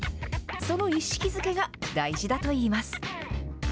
その意識づけが大事だと言います。